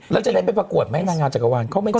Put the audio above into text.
แล้วจะได้ไปประกวดไหมนางงานจักรวาลเขาไม่จัดไป